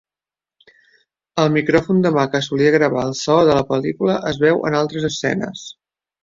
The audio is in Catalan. El micròfon de mà que solia gravar el so de la pel·lícula es veu en altres escenes.